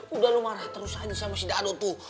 udah lo marah terus aja sama si dado tuh